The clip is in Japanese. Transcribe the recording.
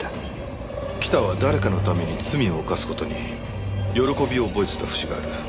北は誰かのために罪を犯す事に喜びを覚えてた節がある。